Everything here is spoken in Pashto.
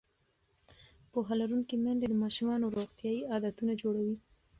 پوهه لرونکې میندې د ماشومانو روغتیایي عادتونه جوړوي.